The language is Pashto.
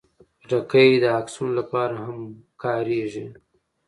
خټکی د عکسونو لپاره هم کارېږي.